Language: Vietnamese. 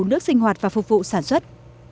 nước sinh hoạt và phục vụ sản xuất